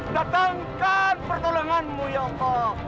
datangkan pertolonganmu ya allah